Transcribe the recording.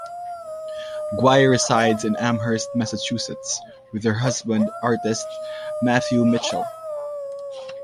Guay resides in Amherst, Massachusetts with her husband, artist Matthew Mitchell.